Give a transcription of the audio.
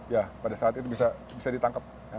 ya pada saat itu bisa ditangkap